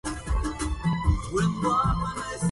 قل للأمير إذا نزلت به